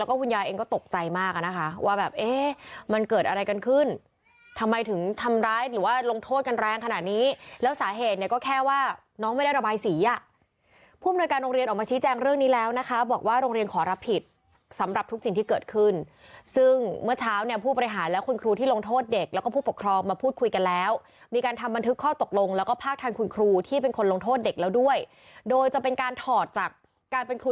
อ่ะผู้บริการโรงเรียนออกมาชี้แจ้งเรื่องนี้แล้วนะคะบอกว่าโรงเรียนขอรับผิดสำหรับทุกสิ่งที่เกิดขึ้นซึ่งเมื่อเช้าเนี้ยผู้บริหารแล้วคุณครูที่ลงโทษเด็กแล้วก็ผู้ปกครองมาพูดคุยกันแล้วมีการทำบันทึกข้อตกลงแล้วก็พากทางคุณครูที่เป็นคนลงโทษเด็กแล้วด้วยโดยจะเป็นการถอดจากการเป็นครู